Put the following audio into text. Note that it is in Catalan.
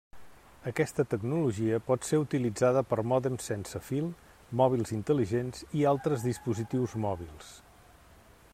Aquesta tecnologia pot ser utilitzada per mòdems sense fil, mòbils intel·ligents i altres dispositius mòbils.